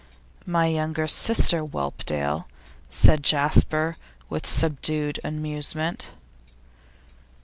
'My younger sister, Whelpdale,' said Jasper, with subdued amusement.